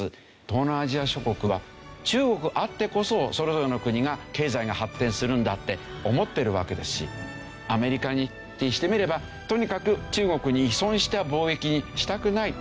東南アジア諸国は中国あってこそそれぞれの国が経済が発展するんだって思ってるわけですしアメリカにしてみればとにかく中国に依存した貿易にしたくない。